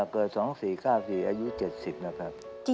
เกิด๒๔๙๔อายุ๗๐นะครับ